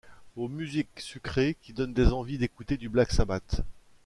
Aux musiques sucrées qui donnent des envies d’écouter du Black Sabbath.